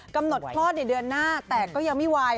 กำหนดคลอดในเดือนหน้าแต่ก็ยังไม่ไหว